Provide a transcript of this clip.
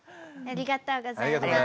ありがとうございます。